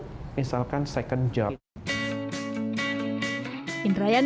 kemudian kemudian kamar juga cenderung gelap supaya dia bisa beristirahat